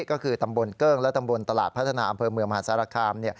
ก็คือตำบลเกิ้งและตำบลตลาดพัฒนาอำเภอเมืองมหาสารคาม